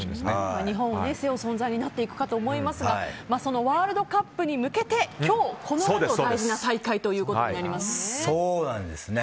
日本を背負う存在になっていくかと思いますがワールドカップに向けて今日、このあと大事な大会ということになりますね。